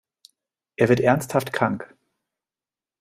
Er wird ernsthaft krank.